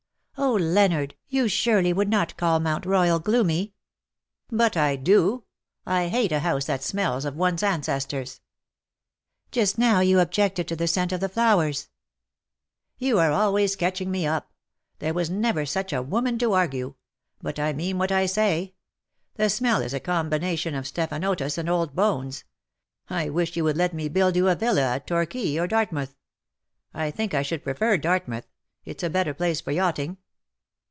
'^Oh, Leonard, you surely would not call Mount Royal gloomy !" WE DRAW NIGH THEE." 167 " But I do : I hate a house that smells of one^s ancestors/^ " Just now you objected to the scent of the flowers." '^ You are always catching me up — there was never such a woman to argue — but I mean what I say. The smell is a combination of stephanotis and old bones. I wish you would let me build you a villa at Torquay or Dartmouth. I think I should prefer Dartmouth : it^s a better place for yachting.''